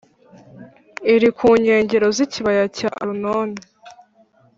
iri ku nkengero z’ikibaya cya Arunoni